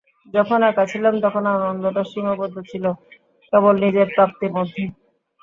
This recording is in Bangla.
যখন একা ছিলাম, তখন আনন্দটা সীমাবদ্ধ ছিল কেবল নিজের প্রাপ্তির মধ্যে।